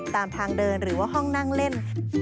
ตามทางเดินหรือว่าห้องนั่งเล่น